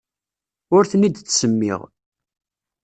Ur ten-id-ttsemmiɣ.